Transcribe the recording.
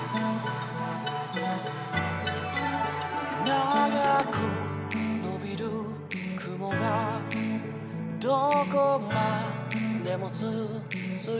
「長く伸びる雲がどこまでも続いていく」